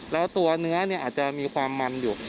แล้วตัวเนื้ออาจจะมีความมันอยู่